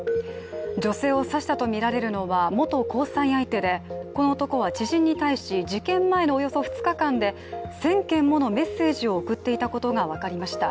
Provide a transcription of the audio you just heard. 女性を刺したとみられるのは元交際相手でこの男は知人に対し事件前のおよそ２日間で１０００件ものメッセージを送っていたことが分かりました。